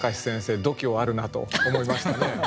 度胸あるなと思いましたね。